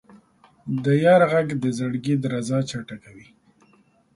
د یار ږغ د زړګي درزا چټکوي.